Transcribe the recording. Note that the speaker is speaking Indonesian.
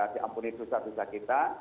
diampuni susah susah kita